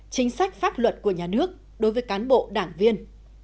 chính sách pháp luật của nhà nước đối với cán bộ đảng viên